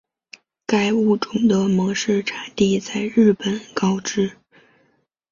该物种的模式产地在日本高知。